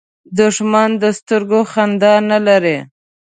دښمن د سترګو خندا نه لري